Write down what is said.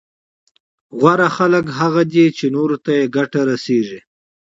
غوره خلک هغه دي چي نورو ته يې ګټه رسېږي